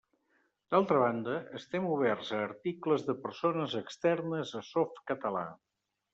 D'altra banda, estem oberts a articles de persones externes a Softcatalà.